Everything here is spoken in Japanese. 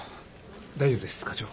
大丈夫です課長。